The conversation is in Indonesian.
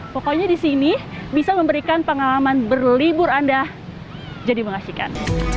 pokoknya di sini bisa memberikan pengalaman berlibur anda jadi mengasihkan